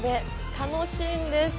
楽しいんです！